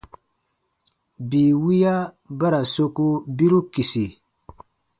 Bii wiya ba ra soku biru kisi.